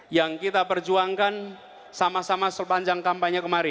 yang kita perjuangkan sama sama sepanjang kampanye kemarin